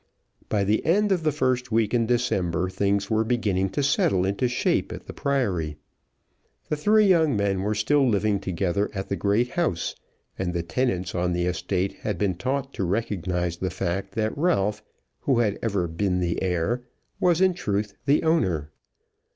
By the end of the first week in December things were beginning to settle into shape at the Priory. The three young men were still living together at the great house, and the tenants on the estate had been taught to recognise the fact that Ralph, who had ever been the heir, was in truth the owner.